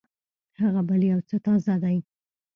هغه بل يو څه تازه دی.